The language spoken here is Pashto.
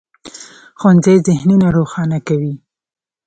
ښوونځی ذهنونه روښانه کوي.